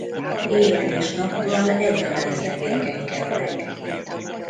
Éjjel és nappal egyaránt tevékenykednek.